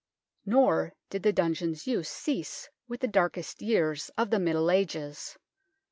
Nor did the dungeons' use cease with the darkest years of the Middle Ages.